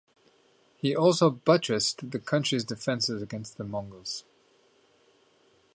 He also buttressed the country's defences against the Mongols.